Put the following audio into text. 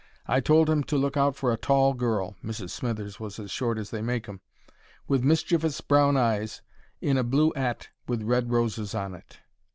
I told 'im to look out for a tall girl (Mrs. Smithers was as short as they make 'em) with mischievous brown eyes, in a blue 'at with red roses on it.